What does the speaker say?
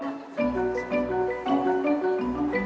nomor roman kok gak aktif sih